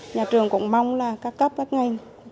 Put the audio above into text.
nhà trường cũng mong là các cấp các ngành